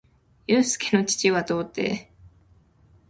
ゆうすけの父親は童貞